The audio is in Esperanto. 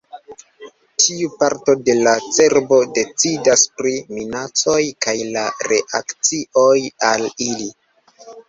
Tiu parto de la cerbo decidas pri minacoj kaj la reakcioj al ili.